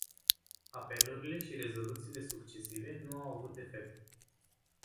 Apelurile și rezoluțiile succesive nu au avut efect.